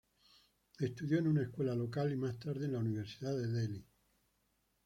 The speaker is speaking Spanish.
Estudió en una escuela local y más tarde en la Universidad de Delhi.